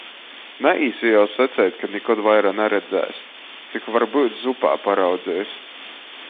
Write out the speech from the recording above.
Naīsi jau saceit, ka nikod vaira naredzēs, cik varbyut zupā paraudzeis.